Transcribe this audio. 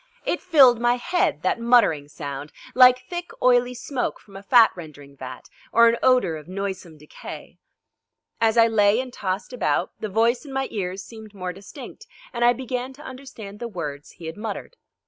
It filled my head, that muttering sound, like thick oily smoke from a fat rendering vat or an odour of noisome decay. And as I lay and tossed about, the voice in my ears seemed more distinct, and I began to understand the words he had muttered.